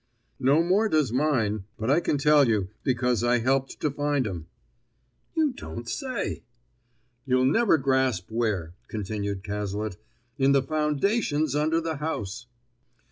"No more does mine, but I can tell you, because I helped to find 'em." "You don't say!" "You'll never grasp where," continued Cazalet. "In the foundations under the house!"